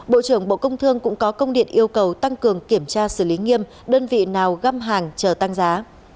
bộ trưởng bộ công thương cũng có công điện yêu cầu tăng cường kiểm tra xử lý nghiêm đơn vị nào găm hàng chờ tăng giá